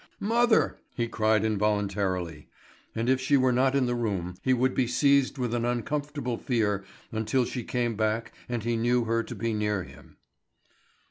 "Mother!" he cried involuntarily; and if she were not in the room, he would be seized with an uncomfortable fear until she came back and he knew her to be near him.